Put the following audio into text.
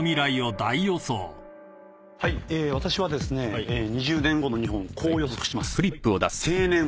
私はですね２０年後の日本こう予測します。